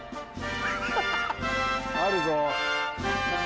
あるぞ。